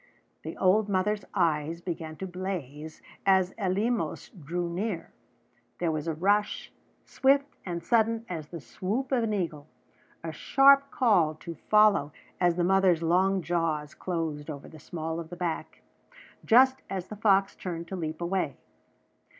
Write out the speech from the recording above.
The old mother's eyes began to blaze as Eleemos drew near. There was a rush, swift and sudden as the swoop of an eagle; a sharp call to follow as the mother's long jaws closed over the small of the back, just as the fox turned to leap away.